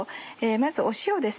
まず塩です。